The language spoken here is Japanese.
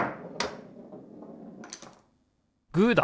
グーだ！